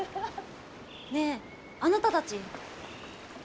ねえあなたたち。